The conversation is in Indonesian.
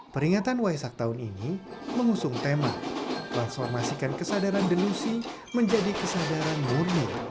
peringatan waisak tahun ini mengusung tema transformasikan kesadaran delusi menjadi kesadaran murni